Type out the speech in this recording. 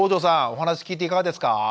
お話聞いていかがですか？